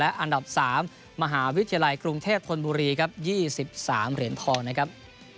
อันดับ๓มหาวิทยาลัยกรุงเทพธนบุรีครับ๒๓เหรียญทองนะครับ